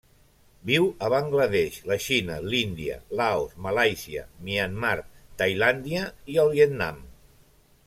Viu a Bangla Desh, la Xina, l'Índia, Laos, Malàisia, Myanmar, Tailàndia i el Vietnam.